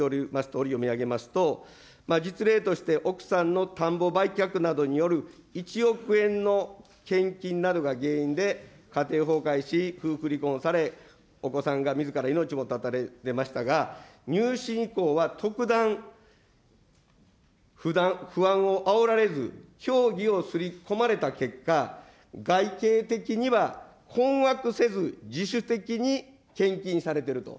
とおり読み上げますと、実例として奥さんの田んぼ売却などによる１億円の献金などが原因で家庭崩壊し、夫婦離婚され、お子さんがみずから命も絶たれましたが、入信以降は特段、不安をあおられず、教義をすり込まれた結果、外形的には困惑せず、自主的に献金されていると。